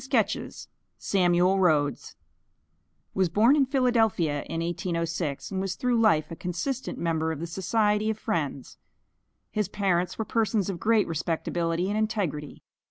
SAMUEL RHOADS Was born in Philadelphia, in 1806, and was through life a consistent member of the Society of Friends. His parents were persons of great respectability and integrity.